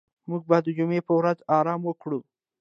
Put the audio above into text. موږ به د جمعې په ورځ آرام وکړو.